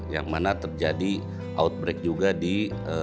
yang mana terjadi outbreak juga di